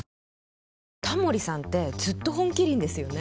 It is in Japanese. タモリさんってずっと「本麒麟」ですよね。